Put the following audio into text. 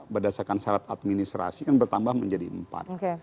berdasarkan syarat administrasi kan bertambah menjadi empat